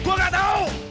gue gak tau